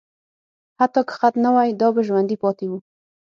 حتی که خط نه وای، دا به ژوندي پاتې وو.